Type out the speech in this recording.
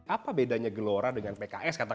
apa bedanya gelora dengan pks